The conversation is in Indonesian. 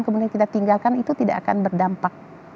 kemudian kita tinggalkan itu tidak akan berdampak